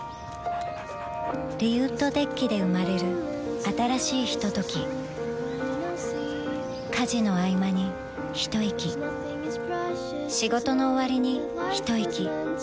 リウッドデッキで生まれる新しいひととき家事のあいまにひといき仕事のおわりにひといき